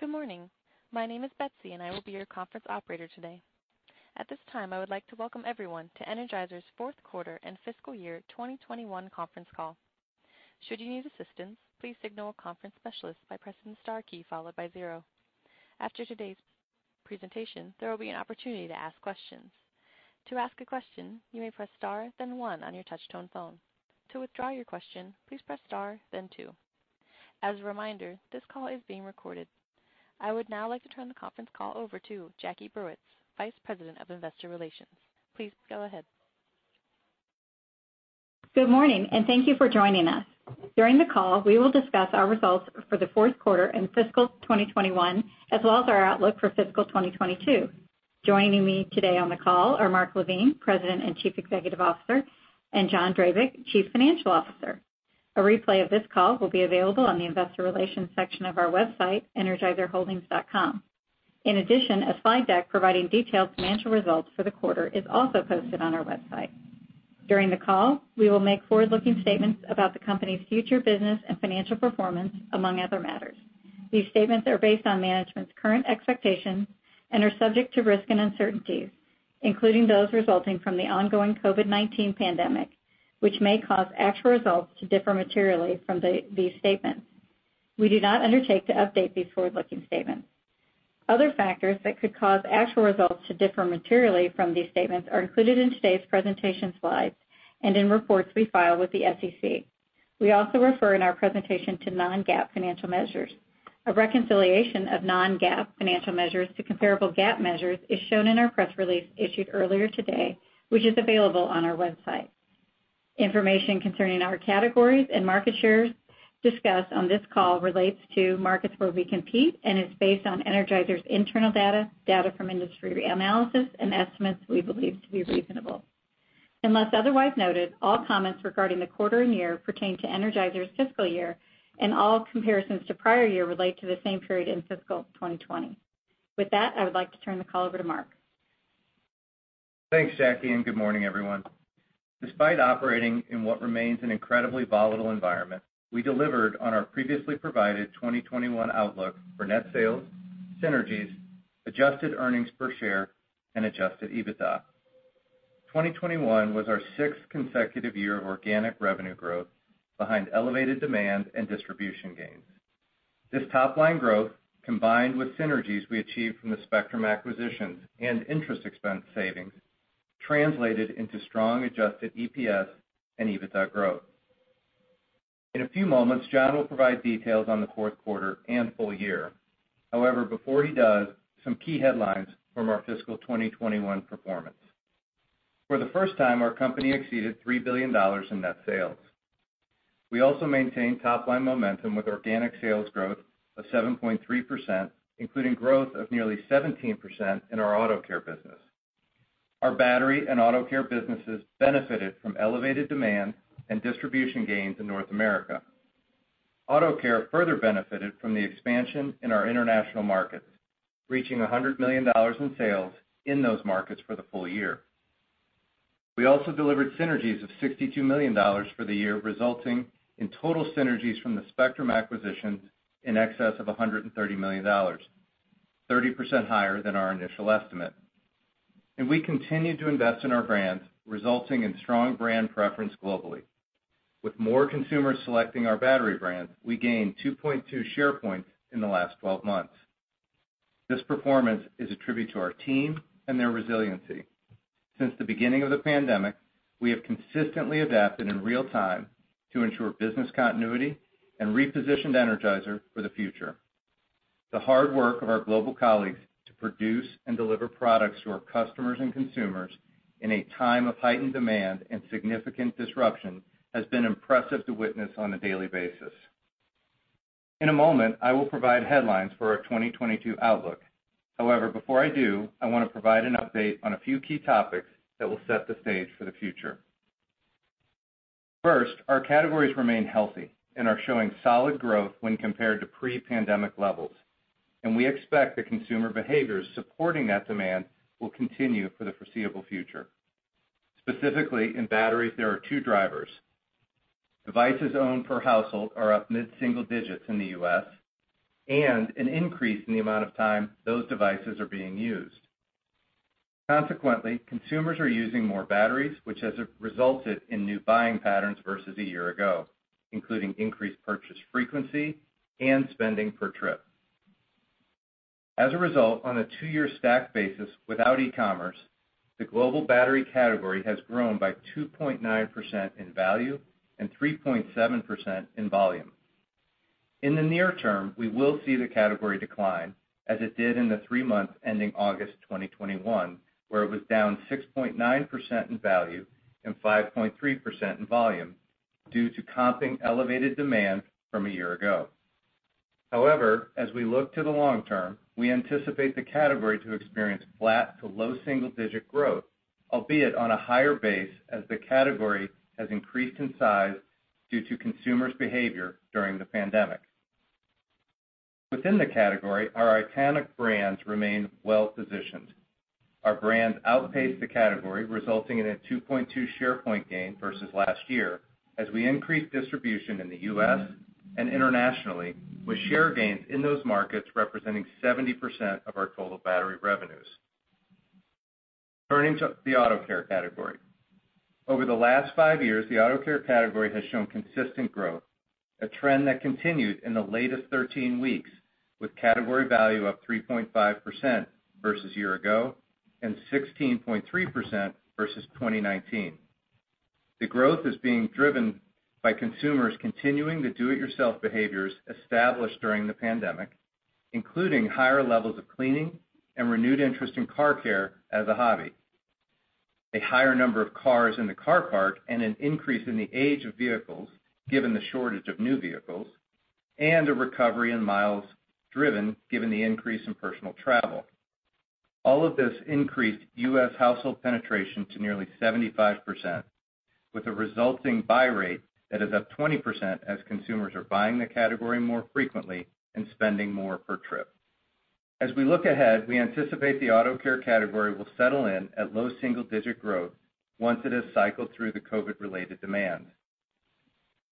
Good morning. My name is Betsy, and I will be your conference operator today. At this time, I would like to welcome everyone to Energizer's fourth quarter and fiscal year 2021 conference call. Should you need assistance, please signal a conference specialist by pressing the star key followed by zero. After today's presentation, there will be an opportunity to ask questions. To ask a question, you may press star, then one on your touchtone phone. To withdraw your question, please press star then two. As a reminder, this call is being recorded. I would now like to turn the conference call over to Jacqueline Burwitz, Vice President of Investor Relations. Please go ahead. Good morning, and thank you for joining us. During the call, we will discuss our results for the fourth quarter and fiscal 2021, as well as our outlook for fiscal 2022. Joining me today on the call are Mark LaVigne, President and Chief Executive Officer, and John Drabik, Chief Financial Officer. A replay of this call will be available on the investor relations section of our website, energizerholdings.com. In addition, a slide deck providing detailed financial results for the quarter is also posted on our website. During the call, we will make forward-looking statements about the company's future business and financial performance, among other matters. These statements are based on management's current expectations and are subject to risks and uncertainties, including those resulting from the ongoing COVID-19 pandemic, which may cause actual results to differ materially from these statements. We do not undertake to update these forward-looking statements. Other factors that could cause actual results to differ materially from these statements are included in today's presentation slides and in reports we file with the SEC. We also refer in our presentation to non-GAAP financial measures. A reconciliation of non-GAAP financial measures to comparable GAAP measures is shown in our press release issued earlier today, which is available on our website. Information concerning our categories and market shares discussed on this call relates to markets where we compete and is based on Energizer's internal data from industry analysis and estimates we believe to be reasonable. Unless otherwise noted, all comments regarding the quarter and year pertain to Energizer's fiscal year, and all comparisons to prior year relate to the same period in fiscal 2020. With that, I would like to turn the call over to Mark LaVigne. Thanks, Jackie, and good morning, everyone. Despite operating in what remains an incredibly volatile environment, we delivered on our previously provided 2021 outlook for net sales, synergies, adjusted earnings per share, and adjusted EBITDA. 2021 was our sixth consecutive year of organic revenue growth behind elevated demand and distribution gains. This top line growth, combined with synergies we achieved from the Spectrum acquisition and interest expense savings, translated into strong adjusted EPS and EBITDA growth. In a few moments, John will provide details on the fourth quarter and full year. However, before he does, some key headlines from our fiscal 2021 performance. For the first time, our company exceeded $3 billion in net sales. We also maintained top-line momentum with organic sales growth of 7.3%, including growth of nearly 17% in our Auto Care business. Our Battery and Auto Care businesses benefited from elevated demand and distribution gains in North America. Auto Care further benefited from the expansion in our international markets, reaching $100 million in sales in those markets for the full year. We also delivered synergies of $62 million for the year, resulting in total synergies from the Spectrum acquisition in excess of $130 million, 30% higher than our initial estimate. We continued to invest in our brands, resulting in strong brand preference globally. With more consumers selecting our battery brands, we gained 2.2 share points in the last 12 months. This performance is a tribute to our team and their resiliency. Since the beginning of the pandemic, we have consistently adapted in real time to ensure business continuity and repositioned Energizer for the future. The hard work of our global colleagues to produce and deliver products to our customers and consumers in a time of heightened demand and significant disruption has been impressive to witness on a daily basis. In a moment, I will provide headlines for our 2022 outlook. However, before I do, I wanna provide an update on a few key topics that will set the stage for the future. First, our categories remain healthy and are showing solid growth when compared to pre-pandemic levels, and we expect the consumer behaviors supporting that demand will continue for the foreseeable future. Specifically, in batteries, there are two drivers. Devices owned per household are up mid-single digits in the U.S., and an increase in the amount of time those devices are being used. Consequently, consumers are using more batteries, which has resulted in new buying patterns versus a year ago, including increased purchase frequency and spending per trip. As a result, on a two-year stack basis without e-commerce, the global battery category has grown by 2.9% in value and 3.7% in volume. In the near term, we will see the category decline, as it did in the three months ending August 2021, where it was down 6.9% in value and 5.3% in volume due to comping elevated demand from a year ago. However, as we look to the long term, we anticipate the category to experience flat to low single-digit growth, albeit on a higher base as the category has increased in size due to consumers' behavior during the pandemic. Within the category, our iconic brands remain well-positioned. Our brand outpaced the category, resulting in a 2.2 share point gain versus last year as we increased distribution in the U.S. and internationally, with share gains in those markets representing 70% of our total battery revenues. Turning to the Auto Care category. Over the last five years, the Auto Care category has shown consistent growth, a trend that continued in the latest 13 weeks, with category value up 3.5% versus a year ago and 16.3% versus 2019. The growth is being driven by consumers continuing the do-it-yourself behaviors established during the pandemic, including higher levels of cleaning and renewed interest in car care as a hobby, a higher number of cars in the car park and an increase in the age of vehicles, given the shortage of new vehicles, and a recovery in miles driven given the increase in personal travel. All of this increased U.S. household penetration to nearly 75%, with a resulting buy rate that is up 20% as consumers are buying the category more frequently and spending more per trip. As we look ahead, we anticipate the auto care category will settle in at low single-digit growth once it has cycled through the COVID-19-related demand.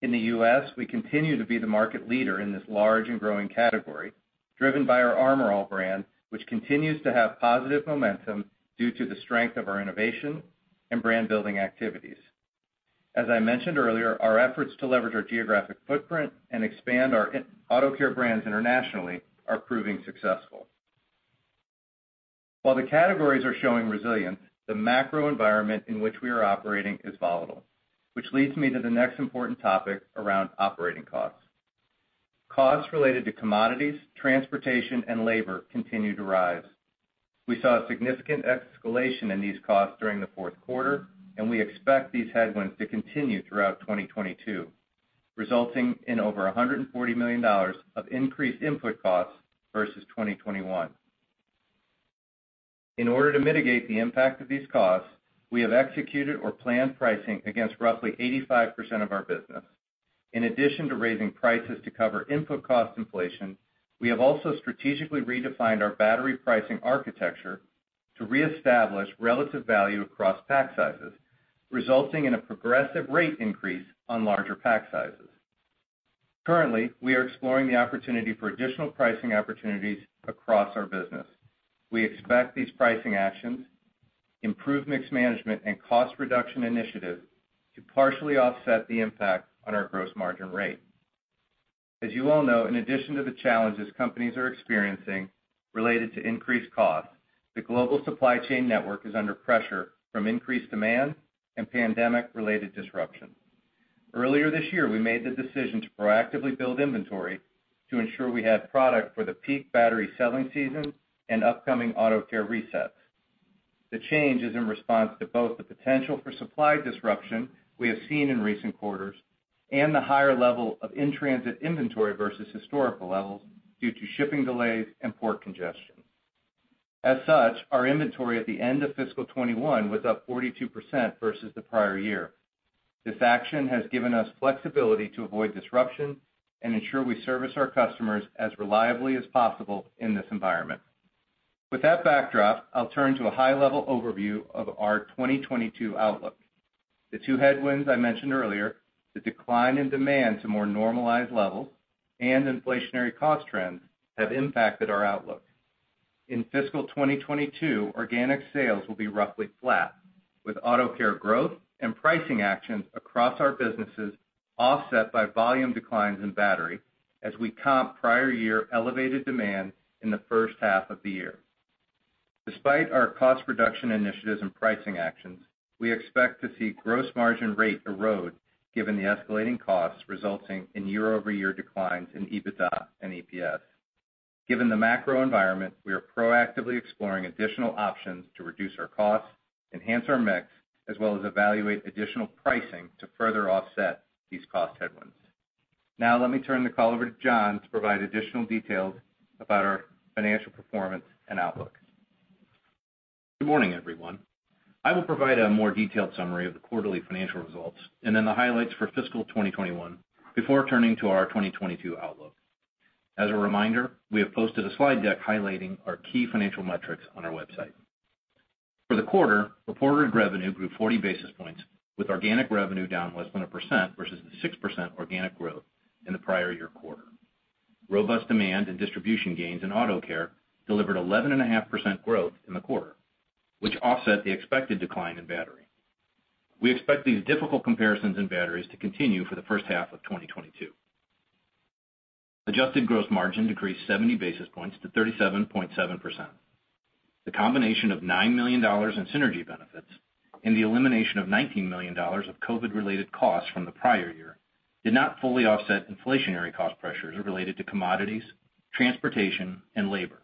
In the U.S., we continue to be the market leader in this large and growing category, driven by our Armor All brand, which continues to have positive momentum due to the strength of our innovation and brand-building activities. As I mentioned earlier, our efforts to leverage our geographic footprint and expand our Auto Care brands internationally are proving successful. While the categories are showing resilience, the macro environment in which we are operating is volatile, which leads me to the next important topic around operating costs. Costs related to commodities, transportation, and labor continue to rise. We saw a significant escalation in these costs during the fourth quarter, and we expect these headwinds to continue throughout 2022, resulting in over $140 million of increased input costs versus 2021. In order to mitigate the impact of these costs, we have executed or planned pricing against roughly 85% of our business. In addition to raising prices to cover input cost inflation, we have also strategically redefined our battery pricing architecture to reestablish relative value across pack sizes, resulting in a progressive rate increase on larger pack sizes. Currently, we are exploring the opportunity for additional pricing opportunities across our business. We expect these pricing actions, improved mix management and cost reduction initiatives to partially offset the impact on our gross margin rate. As you all know, in addition to the challenges companies are experiencing related to increased costs, the global supply chain network is under pressure from increased demand and pandemic-related disruption. Earlier this year, we made the decision to proactively build inventory to ensure we have product for the peak battery selling season and upcoming Auto Care resets. The change is in response to both the potential for supply disruption we have seen in recent quarters and the higher level of in-transit inventory versus historical levels due to shipping delays and port congestion. As such, our inventory at the end of fiscal 2021 was up 42% versus the prior year. This action has given us flexibility to avoid disruption and ensure we service our customers as reliably as possible in this environment. With that backdrop, I'll turn to a high-level overview of our 2022 outlook. The two headwinds I mentioned earlier, the decline in demand to more normalized levels and inflationary cost trends, have impacted our outlook. In fiscal 2022, organic sales will be roughly flat, with Auto Care growth and pricing actions across our businesses offset by volume declines in batteries as we comp prior year elevated demand in the first half of the year. Despite our cost reduction initiatives and pricing actions, we expect to see gross margin rate erode given the escalating costs resulting in year-over-year declines in EBITDA and EPS. Given the macro environment, we are proactively exploring additional options to reduce our costs, enhance our mix, as well as evaluate additional pricing to further offset these cost headwinds. Now let me turn the call over to John to provide additional details about our financial performance and outlook. Good morning, everyone. I will provide a more detailed summary of the quarterly financial results and then the highlights for fiscal 2021 before turning to our 2022 outlook. As a reminder, we have posted a slide deck highlighting our key financial metrics on our website. For the quarter, reported revenue grew 40 basis points, with organic revenue down less than 1% versus the 6% organic growth in the prior year quarter. Robust demand and distribution gains in Auto Care delivered 11.5% growth in the quarter, which offset the expected decline in battery. We expect these difficult comparisons in batteries to continue for the first half of 2022. Adjusted gross margin decreased 70 basis points to 37.7%. The combination of $9 million in synergy benefits and the elimination of $19 million of COVID-19-related costs from the prior year did not fully offset inflationary cost pressures related to commodities, transportation, and labor.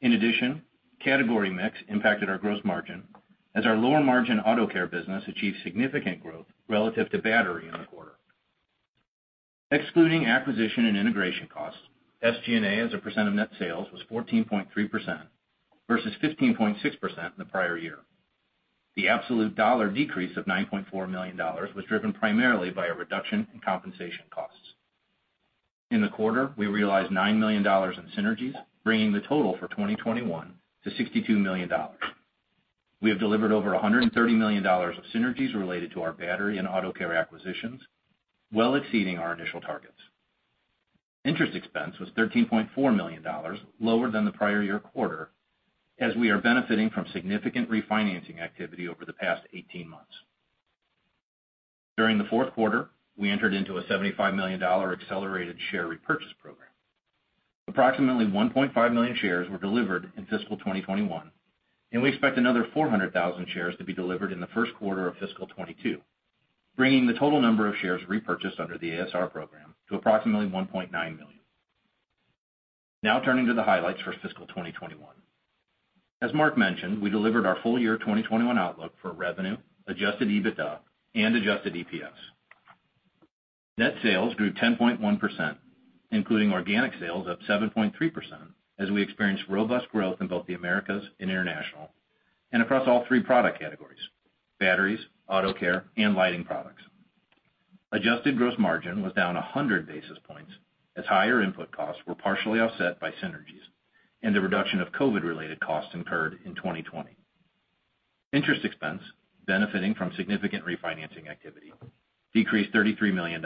In addition, category mix impacted our gross margin as our lower margin Auto Care business achieved significant growth relative to battery in the quarter. Excluding acquisition and integration costs, SG&A as a percent of net sales was 14.3% versus 15.6% in the prior year. The absolute dollar decrease of $9.4 million was driven primarily by a reduction in compensation costs. In the quarter, we realized $9 million in synergies, bringing the total for 2021 to $62 million. We have delivered over $130 million of synergies related to our battery and Auto Care acquisitions, well exceeding our initial targets. Interest expense was $13.4 million, lower than the prior year quarter, as we are benefiting from significant refinancing activity over the past 18 months. During the fourth quarter, we entered into a $75 million accelerated share repurchase program. Approximately 1.5 million shares were delivered in fiscal 2021, and we expect another 400,000 shares to be delivered in the first quarter of fiscal 2022, bringing the total number of shares repurchased under the ASR program to approximately 1.9 million. Now turning to the highlights for fiscal 2021. As Mark mentioned, we delivered our full year 2021 outlook for revenue, adjusted EBITDA and adjusted EPS. Net sales grew 10.1%, including organic sales up 7.3% as we experienced robust growth in both the Americas and international and across all three product categories, batteries, Auto Care and lighting products. Adjusted gross margin was down 100 basis points as higher input costs were partially offset by synergies and the reduction of COVID-related costs incurred in 2020. Interest expense benefiting from significant refinancing activity decreased $33 million.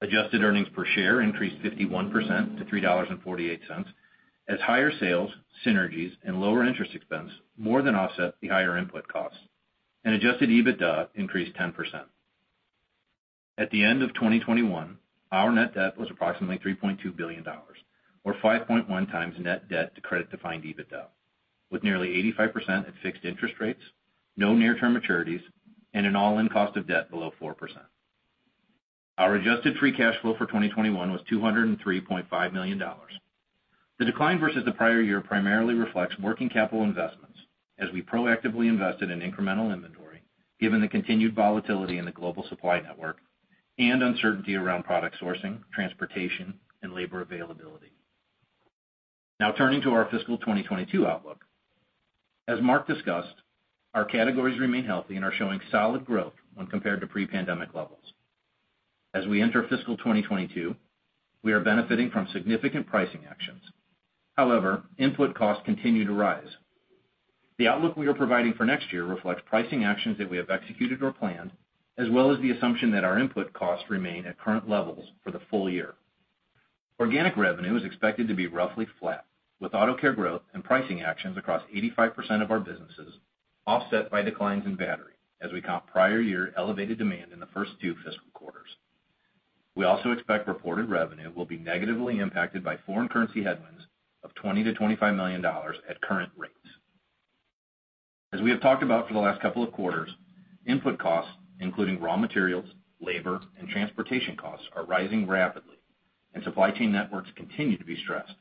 Adjusted earnings per share increased 51% to $3.48 as higher sales synergies and lower interest expense more than offset the higher input costs, and adjusted EBITDA increased 10%. At the end of 2021, our net debt was approximately $3.2 billion or 5.1x net debt to credit-defined EBITDA, with nearly 85% at fixed interest rates, no near-term maturities, and an all-in cost of debt below 4%. Our adjusted free cash flow for 2021 was $203.5 million. The decline versus the prior year primarily reflects working capital investments as we proactively invested in incremental inventory given the continued volatility in the global supply network and uncertainty around product sourcing, transportation and labor availability. Now turning to our fiscal 2022 outlook. As Mark discussed, our categories remain healthy and are showing solid growth when compared to pre-pandemic levels. As we enter fiscal 2022, we are benefiting from significant pricing actions. However, input costs continue to rise. The outlook we are providing for next year reflects pricing actions that we have executed or planned, as well as the assumption that our input costs remain at current levels for the full year. Organic revenue is expected to be roughly flat, with Auto Care growth and pricing actions across 85% of our businesses offset by declines in battery as we comp prior year elevated demand in the first two fiscal quarters. We also expect reported revenue will be negatively impacted by foreign currency headwinds of $20 million to $25 million at current rates. As we have talked about for the last couple of quarters, input costs, including raw materials, labor and transportation costs, are rising rapidly and supply chain networks continue to be stressed.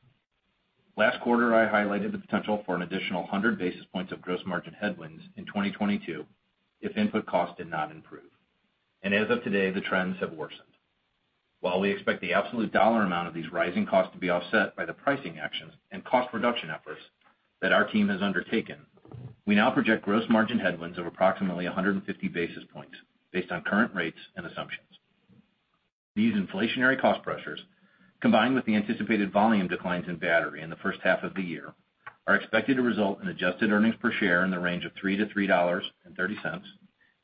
Last quarter, I highlighted the potential for an additional 100 basis points of gross margin headwinds in 2022 if input costs did not improve. As of today, the trends have worsened. While we expect the absolute dollar amount of these rising costs to be offset by the pricing actions and cost reduction efforts that our team has undertaken, we now project gross margin headwinds of approximately 150 basis points based on current rates and assumptions. These inflationary cost pressures, combined with the anticipated volume declines in battery in the first half of the year, are expected to result in adjusted earnings per share in the range of $3.00 to $3.30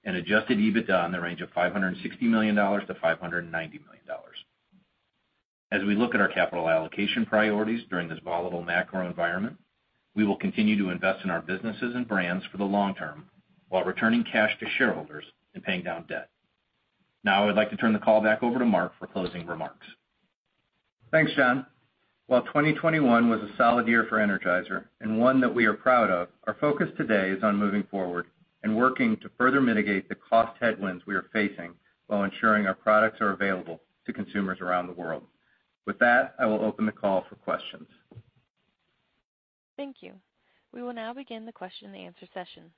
and adjusted EBITDA in the range of $560 million to $590 million. As we look at our capital allocation priorities during this volatile macro environment, we will continue to invest in our businesses and brands for the long term while returning cash to shareholders and paying down debt. Now I would like to turn the call back over to Mark for closing remarks. Thanks, John. While 2021 was a solid year for Energizer and one that we are proud of, our focus today is on moving forward and working to further mitigate the cost headwinds we are facing while ensuring our products are available to consumers around the world. With that, I will open the call for questions. Thank you. We will now begin the question and answer session.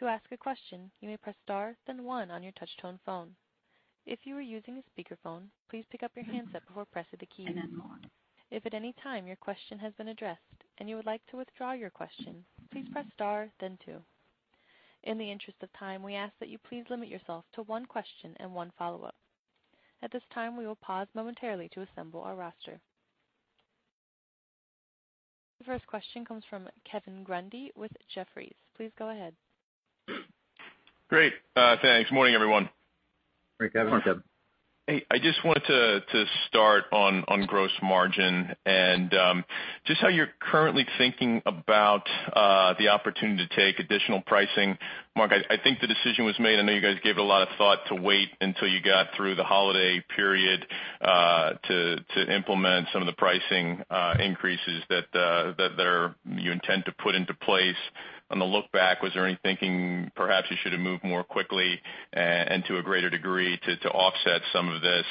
To ask a question, you may press star then one on your touch-tone phone. If you are using a speakerphone, please pick up your handset before pressing the key. If at any time your question has been addressed and you would like to withdraw your question, please press star then two. In the interest of time, we ask that you please limit yourself to one question and one follow-up. At this time, we will pause momentarily to assemble our roster. The first question comes from Kevin Grundy with Jefferies. Please go ahead. Great. Thanks. Good morning, everyone. Good morning, Kevin. Hey, I just wanted to start on gross margin and just how you're currently thinking about the opportunity to take additional pricing. Mark, I think the decision was made, I know you guys gave it a lot of thought, to wait until you got through the holiday period to implement some of the pricing increases that you intend to put into place. On the look back, was there any thinking perhaps you should have moved more quickly and to a greater degree to offset some of this?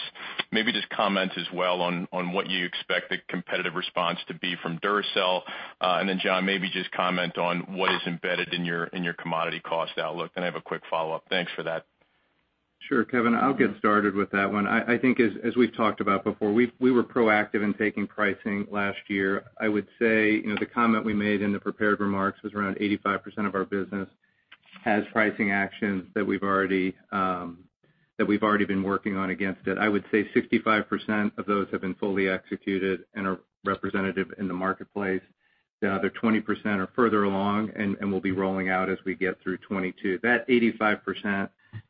Maybe just comment as well on what you expect the competitive response to be from Duracell. And then John, maybe just comment on what is embedded in your commodity cost outlook, then I have a quick follow-up. Thanks for that. Sure, Kevin, I'll get started with that one. I think as we've talked about before, we were proactive in taking pricing last year. I would say, you know, the comment we made in the prepared remarks was around 85% of our business has pricing actions that we've already been working on against it. I would say 65% of those have been fully executed and are representative in the marketplace. The other 20% are further along and will be rolling out as we get through 2022. That 85%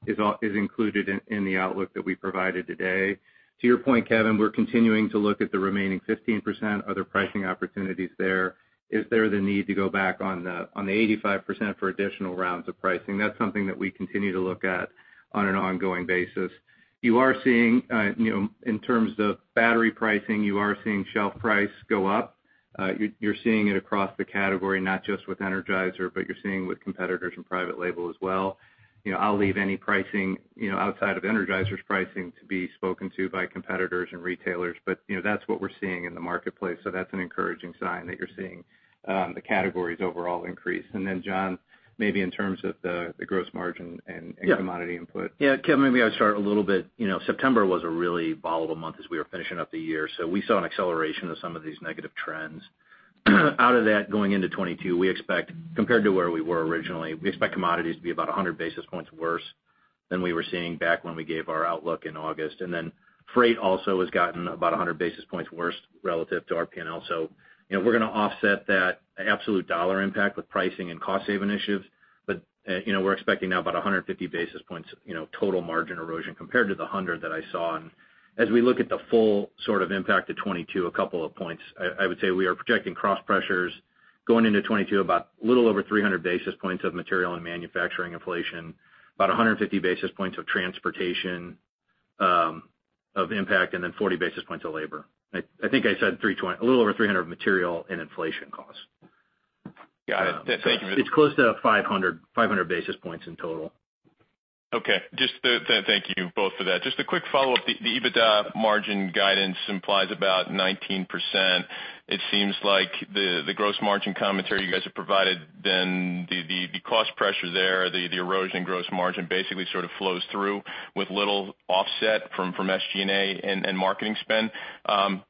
is included in the outlook that we provided today. To your point, Kevin, we're continuing to look at the remaining 15%, other pricing opportunities there. Is there the need to go back on the 85% for additional rounds of pricing? That's something that we continue to look at on an ongoing basis. You are seeing, you know, in terms of battery pricing, you are seeing shelf price go up. You're seeing it across the category, not just with Energizer, but you're seeing it with competitors and private label as well. You know, I'll leave any pricing, you know, outside of Energizer's pricing to be spoken to by competitors and retailers. You know, that's what we're seeing in the marketplace. That's an encouraging sign that you're seeing the categories overall increase. John, maybe in terms of the gross margin and- Yeah commodity input. Yeah, Kevin, maybe I would start a little bit. You know, September was a really volatile month as we were finishing up the year, so we saw an acceleration of some of these negative trends. Out of that, going into 2022, we expect, compared to where we were originally, we expect commodities to be about 100 basis points worse than we were seeing back when we gave our outlook in August. Freight also has gotten about 100 basis points worse relative to our P&L. You know, we're gonna offset that absolute dollar impact with pricing and cost saving initiatives. You know, we're expecting now about 150 basis points, you know, total margin erosion compared to the 100 that I saw. As we look at the full sort of impact to 2022, a couple of points, I would say we are projecting cross pressures going into 2022 about little over 300 basis points of material and manufacturing inflation, about 150 basis points of transportation of impact, and then 40 basis points of labor. I think I said a little over 300 of material and inflation costs. Got it. Thank you. It's close to 500 basis points in total. Okay. Thank you both for that. Just a quick follow-up. The EBITDA margin guidance implies about 19%. It seems like the gross margin commentary you guys have provided, then the cost pressure there, the erosion in gross margin basically sort of flows through with little offset from SG&A and marketing spend.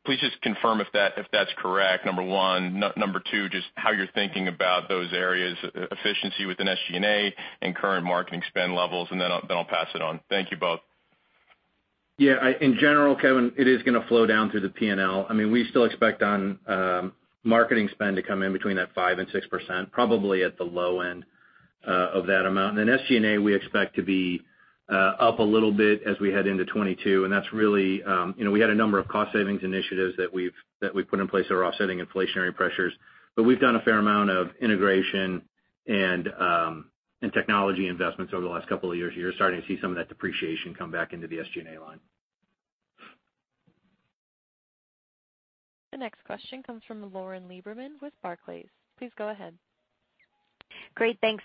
Please just confirm if that's correct, number one. Number two, just how you're thinking about those areas, efficiency within SG&A and current marketing spend levels, and then I'll pass it on. Thank you both. Yeah, in general, Kevin, it is gonna flow down through the P&L. I mean, we still expect our marketing spend to come in between that 5% and 6%, probably at the low end of that amount. Then SG&A, we expect to be up a little bit as we head into 2022, and that's really, you know, we had a number of cost savings initiatives that we've put in place that are offsetting inflationary pressures. We've done a fair amount of integration and technology investments over the last couple of years. You're starting to see some of that depreciation come back into the SG&A line. The next question comes from Lauren Lieberman with Barclays. Please go ahead. Great, thanks.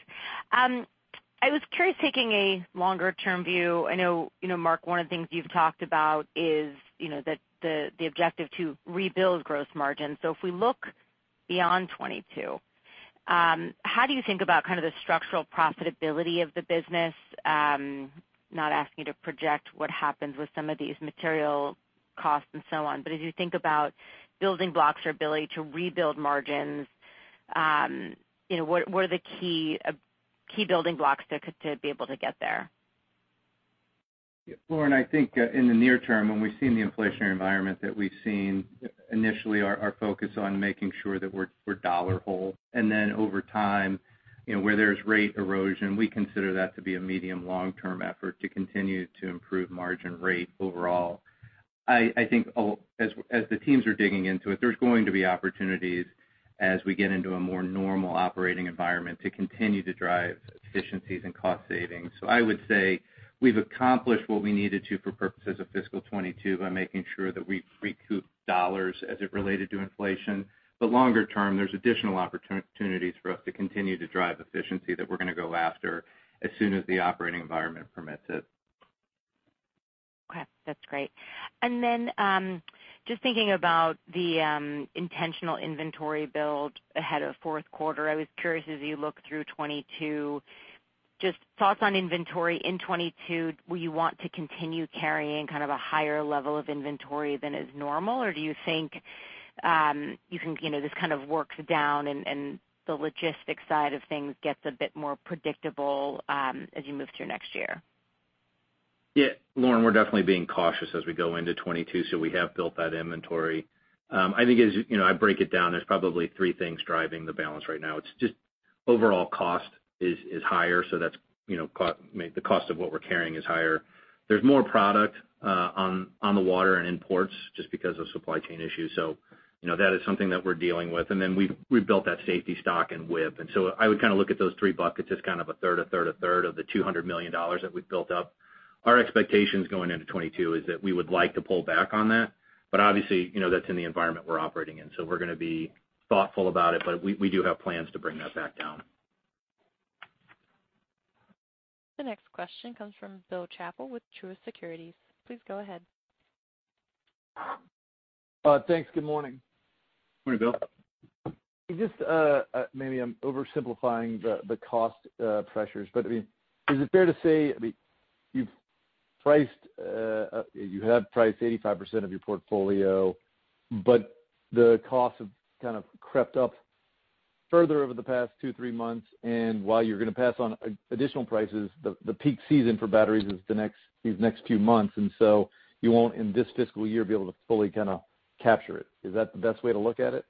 I was curious, taking a longer-term view. I know, you know, Mark, one of the things you've talked about is, you know, the objective to rebuild gross margin. If we look beyond 2022, how do you think about kind of the structural profitability of the business? Not asking you to project what happens with some of these material costs and so on, but as you think about building blocks or ability to rebuild margins, you know, what are the key building blocks to be able to get there? Yeah, Lauren, I think in the near term, when we've seen the inflationary environment that we've seen, initially our focus is on making sure that we're dollar whole. Then over time, you know, where there's rate erosion, we consider that to be a medium, long-term effort to continue to improve margin rate overall. I think as the teams are digging into it, there's going to be opportunities as we get into a more normal operating environment to continue to drive efficiencies and cost savings. I would say we've accomplished what we needed to for purposes of fiscal 2022 by making sure that we recoup dollars as it related to inflation. Longer term, there's additional opportunities for us to continue to drive efficiency that we're gonna go after as soon as the operating environment permits it. Okay, that's great. Just thinking about the intentional inventory build ahead of fourth quarter, I was curious, as you look through 2022, just thoughts on inventory in 2022. Will you want to continue carrying kind of a higher level of inventory than is normal, or do you think you think, you know, this kind of works down and the logistics side of things gets a bit more predictable as you move through next year? Yeah, Lauren, we're definitely being cautious as we go into 2022, so we have built that inventory. I think as, you know, I break it down, there's probably three things driving the balance right now. It's just overall cost is higher, so that's, you know, the cost of what we're carrying is higher. There's more product on the water and in ports just because of supply chain issues. You know, that is something that we're dealing with. We've built that safety stock in WIP. I would kind of look at those three buckets as kind of a third, a third, a third of the $200 million that we've built up. Our expectations going into 2022 is that we would like to pull back on that. Obviously, you know, that's in the environment we're operating in, so we're gonna be thoughtful about it, but we do have plans to bring that back down. The next question comes from Bill Chappell with Truist Securities. Please go ahead. Thanks. Good morning. Morning, Bill. Just maybe I'm oversimplifying the cost pressures, but I mean, is it fair to say, I mean, you've priced you have priced 85% of your portfolio, but the costs have kind of crept up further over the past two, three months, and while you're gonna pass on additional prices, the peak season for batteries is these next few months, and so you won't, in this fiscal year, be able to fully kinda capture it. Is that the best way to look at it?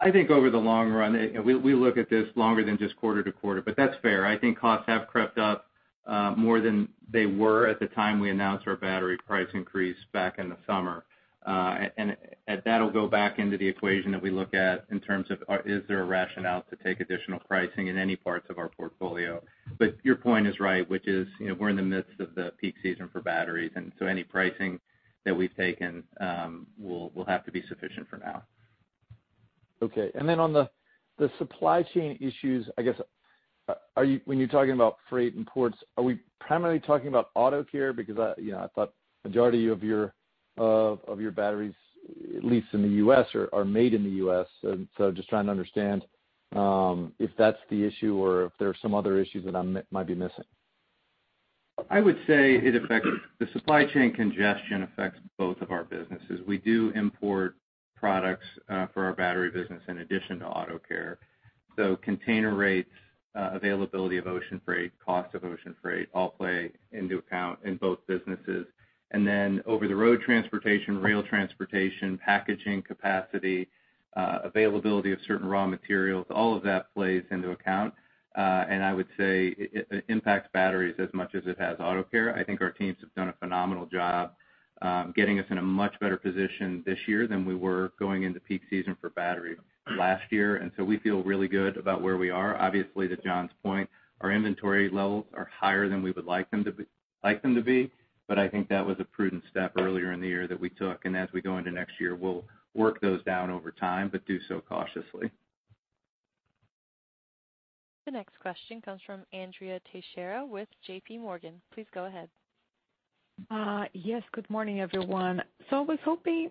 I think over the long run. You know, we look at this longer than just quarter to quarter, but that's fair. I think costs have crept up more than they were at the time we announced our battery price increase back in the summer. That'll go back into the equation that we look at in terms of is there a rationale to take additional pricing in any parts of our portfolio? Your point is right, which is, you know, we're in the midst of the peak season for batteries, and so any pricing that we've taken will have to be sufficient for now. Okay. On the supply chain issues, I guess, are you when you're talking about freight and ports, are we primarily talking about Auto Care? Because I, you know, I thought majority of your batteries, at least in the U.S., are made in the U.S. Just trying to understand if that's the issue or if there are some other issues that I might be missing. The supply chain congestion affects both of our businesses. We do import products for our battery business in addition to Auto Care. Container rates, availability of ocean freight, cost of ocean freight all play into account in both businesses. Over-the-road transportation, rail transportation, packaging capacity, availability of certain raw materials, all of that plays into account. I would say it impacts batteries as much as it has Auto Care. I think our teams have done a phenomenal job getting us in a much better position this year than we were going into peak season for battery last year. We feel really good about where we are. Obviously, to John's point, our inventory levels are higher than we would like them to be, but I think that was a prudent step earlier in the year that we took, and as we go into next year, we'll work those down over time, but do so cautiously. The next question comes from Andrea Teixeira with JPMorgan. Please go ahead. Yes, good morning, everyone. I was hoping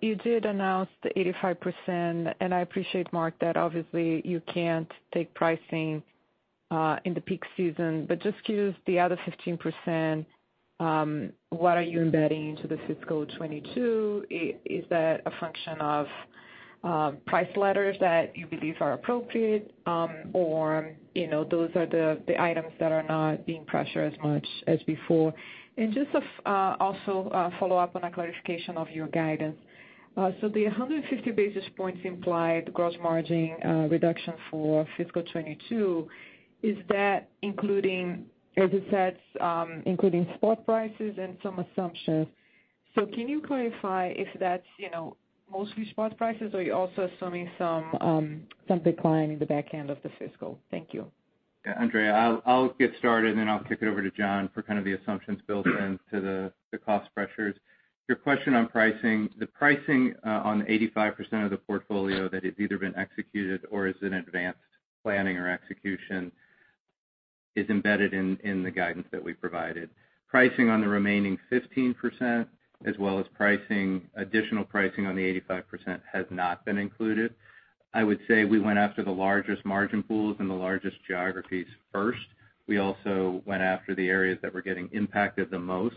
you did announce the 85%, and I appreciate, Mark, that obviously you can't take pricing in the peak season. Just curious, the other 15%, what are you embedding into the fiscal 2022? Is that a function of price letters that you believe are appropriate? Or, you know, those are the items that are not being pressured as much as before. Also a follow-up on a clarification of your guidance. The 150 basis points implied gross margin reduction for fiscal 2022, is that including, as you said, including spot prices and some assumptions. Can you clarify if that's, you know, mostly spot prices or you're also assuming some decline in the back end of the fiscal? Thank you. Yeah, Andrea, I'll get started and then I'll kick it over to John for kind of the assumptions built into the cost pressures. Your question on pricing. The pricing on 85% of the portfolio that has either been executed or is in advanced planning or execution is embedded in the guidance that we provided. Pricing on the remaining 15% as well as pricing, additional pricing on the 85% has not been included. I would say we went after the largest margin pools and the largest geographies first. We also went after the areas that were getting impacted the most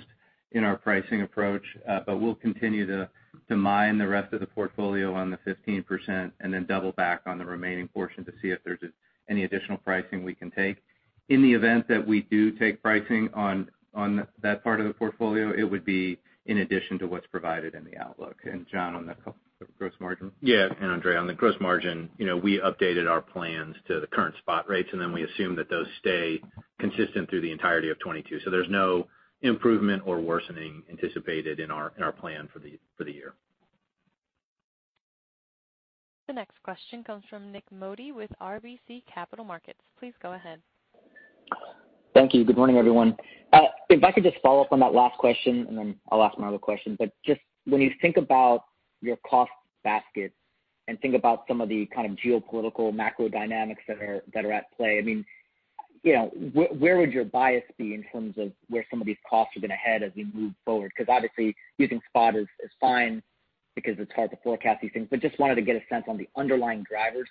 in our pricing approach. We'll continue to mine the rest of the portfolio on the 15% and then double back on the remaining portion to see if there's any additional pricing we can take. In the event that we do take pricing on that part of the portfolio, it would be in addition to what's provided in the outlook. John, on the gross margin. Yeah. Andrea, on the gross margin, you know, we updated our plans to the current spot rates, and then we assume that those stay consistent through the entirety of 2022. There's no improvement or worsening anticipated in our plan for the year. The next question comes from Nik Modi with RBC Capital Markets. Please go ahead. Thank you. Good morning, everyone. If I could just follow up on that last question, and then I'll ask my other question. Just when you think about your cost basket and think about some of the kind of geopolitical macro dynamics that are at play, I mean, you know, where would your bias be in terms of where some of these costs are gonna head as we move forward? Because obviously using spot is fine because it's hard to forecast these things, but just wanted to get a sense on the underlying drivers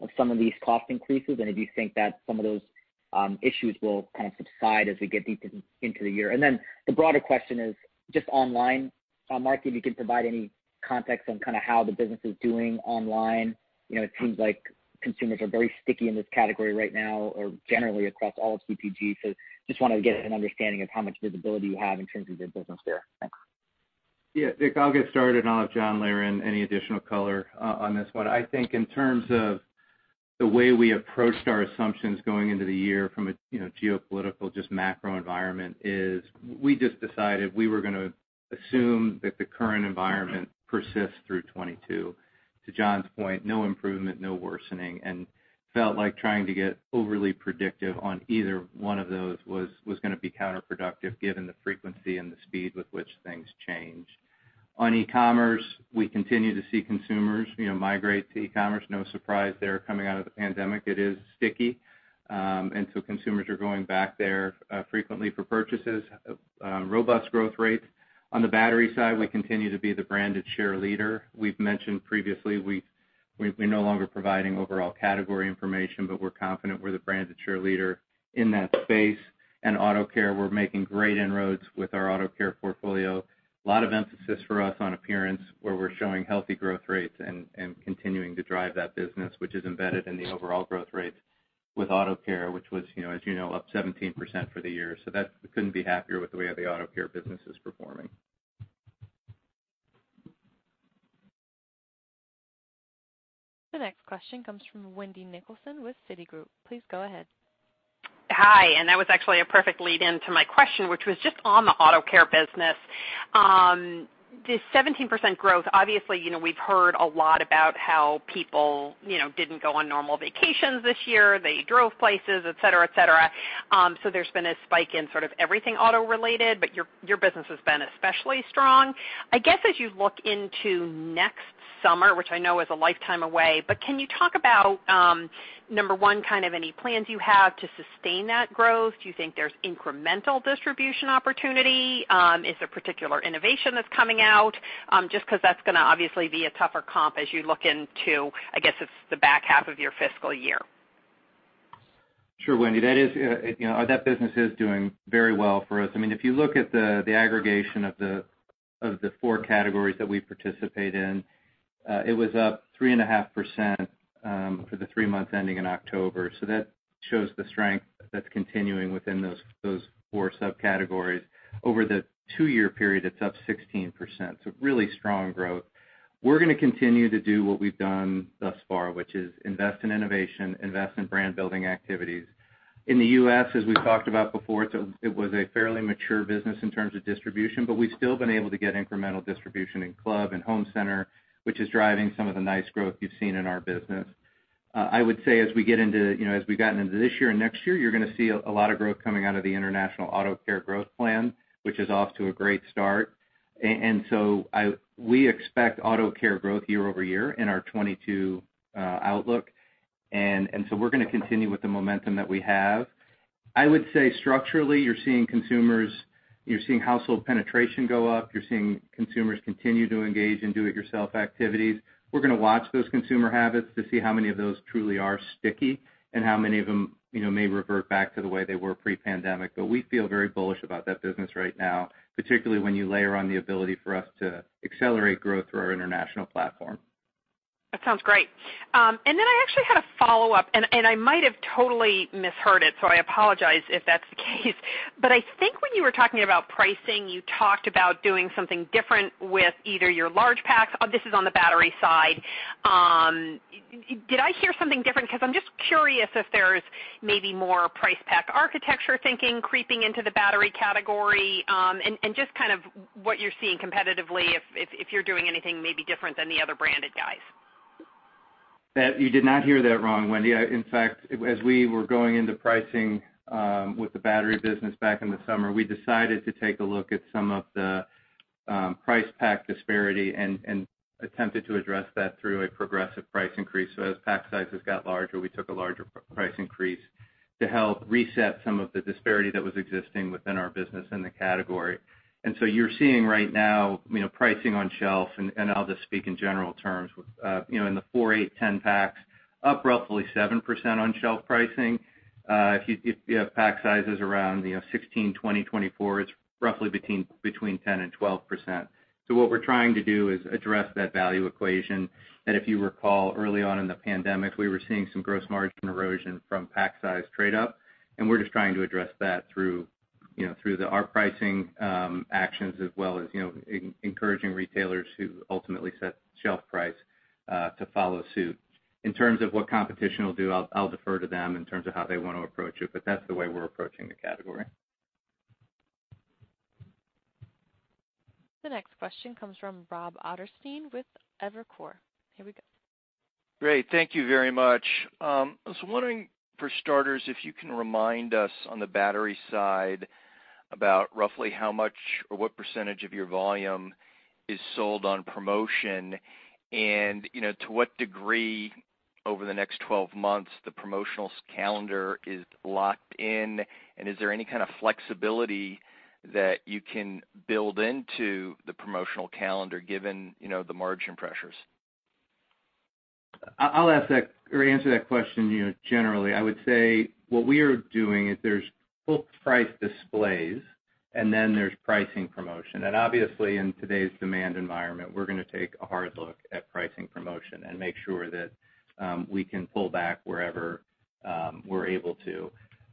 of some of these cost increases, and if you think that some of those issues will kind of subside as we get deep into the year. The broader question is just online. Mark, if you can provide any context on kind of how the business is doing online. You know, it seems like consumers are very sticky in this category right now or generally across all of CPGs. Just wanted to get an understanding of how much visibility you have in terms of your business there. Thanks. Yeah, Nik, I'll get started, and I'll have John layer in any additional color on this one. I think in terms of the way we approached our assumptions going into the year from a you know, geopolitical, just macro environment is we just decided we were gonna assume that the current environment persists through 2022. To John's point, no improvement, no worsening, and felt like trying to get overly predictive on either one of those was gonna be counterproductive given the frequency and the speed with which things change. On e-commerce, we continue to see consumers you know, migrate to e-commerce. No surprise there. Coming out of the pandemic, it is sticky. Consumers are going back there frequently for purchases. Robust growth rates. On the battery side, we continue to be the branded share leader. We've mentioned previously we're no longer providing overall category information, but we're confident we're the brand that's the leader in that space. Auto Care, we're making great inroads with our Auto Care portfolio. A lot of emphasis for us on appearance, where we're showing healthy growth rates and continuing to drive that business, which is embedded in the overall growth rate with Auto Care, which was, you know, as you know, up 17% for the year. We couldn't be happier with the way the Auto Care business is performing. The next question comes from Wendy Nicholson with Citigroup. Please go ahead. Hi, that was actually a perfect lead into my question, which was just on the Auto Care business. The 17% growth, obviously, you know, we've heard a lot about how people, you know, didn't go on normal vacations this year. They drove places, et cetera, et cetera. There's been a spike in sort of everything auto-related, but your business has been especially strong. I guess, as you look into next summer, which I know is a lifetime away, but can you talk about, number one, kind of any plans you have to sustain that growth? Do you think there's incremental distribution opportunity? Is there particular innovation that's coming out? Just 'cause that's gonna obviously be a tougher comp as you look into, I guess, it's the back half of your fiscal year. Sure, Wendy. That business is doing very well for us. I mean, if you look at the aggregation of the four categories that we participate in, it was up 3.5% for the three months ending in October. That shows the strength that's continuing within those four subcategories. Over the two-year period, it's up 16%, so really strong growth. We're gonna continue to do what we've done thus far, which is invest in innovation, invest in brand-building activities. In the U.S., as we've talked about before, it was a fairly mature business in terms of distribution, but we've still been able to get incremental distribution in club and home center, which is driving some of the nice growth you've seen in our business. I would say as we get into, you know, as we've gotten into this year and next year, you're gonna see a lot of growth coming out of the international Auto Care growth plan, which is off to a great start. We expect Auto Care growth year-over-year in our 2022 outlook. We're gonna continue with the momentum that we have. I would say structurally, you're seeing household penetration go up. You're seeing consumers continue to engage in do-it-yourself activities. We're gonna watch those consumer habits to see how many of them truly are sticky and how many of them, you know, may revert back to the way they were pre-pandemic. We feel very bullish about that business right now, particularly when you layer on the ability for us to accelerate growth through our international platform. That sounds great. I actually had a follow-up, and I might have totally misheard it, so I apologize if that's the case. I think when you were talking about pricing, you talked about doing something different with either your large packs. This is on the battery side. Did I hear something different? 'Cause I'm just curious if there's maybe more price pack architecture thinking creeping into the battery category, and just kind of what you're seeing competitively if you're doing anything maybe different than the other branded guys. That. You did not hear that wrong, Wendy. In fact, as we were going into pricing with the battery business back in the summer, we decided to take a look at some of the price pack disparity and attempted to address that through a progressive price increase. So as pack sizes got larger, we took a larger price increase to help reset some of the disparity that was existing within our business in the category. You're seeing right now, you know, pricing on shelf, and I'll just speak in general terms. With, you know, in the 4, 8, 10 packs, up roughly 7% on shelf pricing. If you have pack sizes around, you know, 16, 20, 24, it's roughly between 10% and 12%. What we're trying to do is address that value equation, that if you recall early on in the pandemic, we were seeing some gross margin erosion from pack size trade up, and we're just trying to address that through, you know, our pricing actions as well as, you know, encouraging retailers who ultimately set shelf price to follow suit. In terms of what competition will do, I'll defer to them in terms of how they want to approach it, but that's the way we're approaching the category. The next question comes from Rob Ottenstein with Evercore. Here we go. Great. Thank you very much. I was wondering, for starters, if you can remind us on the battery side about roughly how much or what percentage of your volume is sold on promotion and, you know, to what degree over the next 12 months the promotions calendar is locked in, and is there any kind of flexibility that you can build into the promotional calendar given, you know, the margin pressures? I'll ask that or answer that question, you know, generally. I would say what we are doing is there's full price displays, and then there's pricing promotion. Obviously, in today's demand environment, we're gonna take a hard look at pricing promotion and make sure that we can pull back wherever we're able to.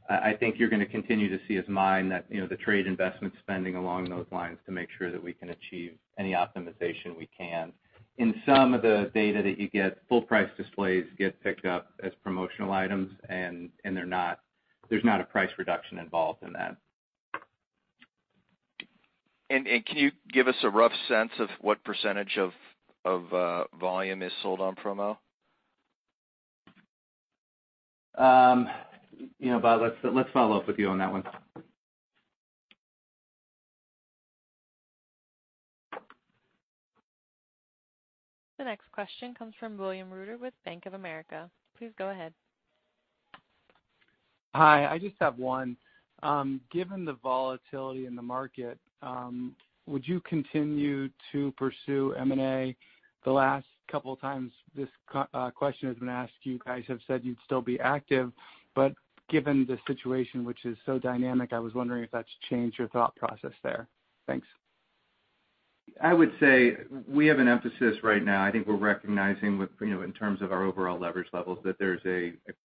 I think you're gonna continue to see us mine that, you know, the trade investment spending along those lines to make sure that we can achieve any optimization we can. In some of the data that you get, full price displays get picked up as promotional items and they're not. There's not a price reduction involved in that. Can you give us a rough sense of what percentage of volume is sold on promo? You know, Bob, let's follow up with you on that one. The next question comes from William Reuter with Bank of America. Please go ahead. Hi. I just have one. Given the volatility in the market, would you continue to pursue M&A? The last couple of times this question has been asked, you guys have said you'd still be active. Given the situation, which is so dynamic, I was wondering if that's changed your thought process there. Thanks. I would say we have an emphasis right now. I think we're recognizing with, you know, in terms of our overall leverage levels, that there's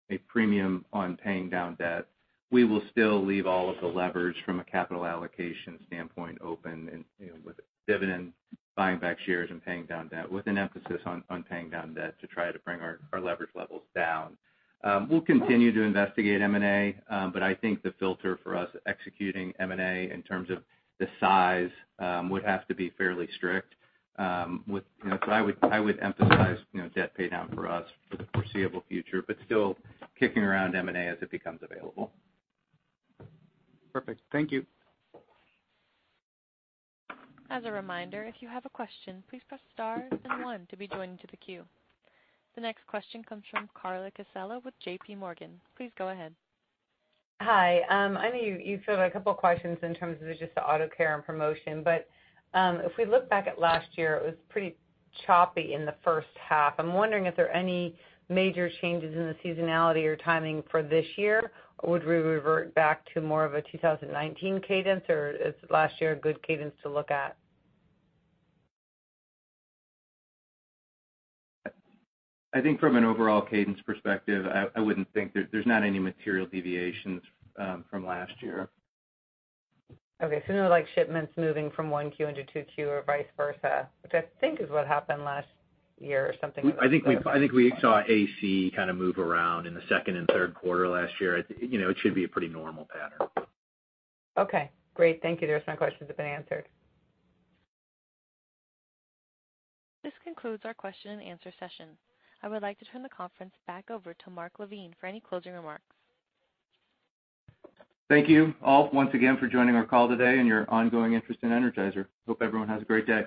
a premium on paying down debt. We will still leave all of the leverage from a capital allocation standpoint open and, you know, with dividend, buying back shares, and paying down debt, with an emphasis on paying down debt to try to bring our leverage levels down. We'll continue to investigate M&A, but I think the filter for us executing M&A in terms of the size would have to be fairly strict, with, you know, so I would emphasize, you know, debt pay down for us for the foreseeable future, but still kicking around M&A as it becomes available. Perfect. Thank you. As a reminder, if you have a question, please press star then one to be joined to the queue. The next question comes from Carla Casella with JPMorgan. Please go ahead. Hi, I know you've had a couple of questions in terms of just the Auto Care and promotion, but, if we look back at last year, it was pretty choppy in the first half. I'm wondering if there are any major changes in the seasonality or timing for this year, or would we revert back to more of a 2019 cadence, or is last year a good cadence to look at? I think from an overall cadence perspective, I wouldn't think there's not any material deviations from last year. Okay. No, like, shipments moving from 1Q into 2Q or vice versa, which I think is what happened last year or something. I think we saw AC kind of move around in the second and third quarter last year. You know, it should be a pretty normal pattern. Okay, great. Thank you. The rest of my questions have been answered. This concludes our question and answer session. I would like to turn the conference back over to Mark LaVigne for any closing remarks. Thank you all once again for joining our call today and your ongoing interest in Energizer. Hope everyone has a great day.